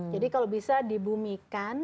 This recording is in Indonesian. jadi kalau bisa dibumikan